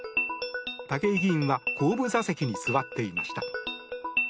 武井議員は後部座席に座っていました。